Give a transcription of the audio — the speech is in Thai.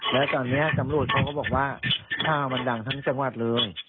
แล้วตอนนี้ตำรวจเขาก็บอกว่าข้าวมันดังทั้งจังหวัดเลย